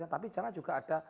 tapi di dalamnya juga ada